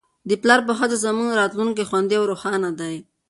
د پلار په هڅو زموږ راتلونکی خوندي او روښانه دی.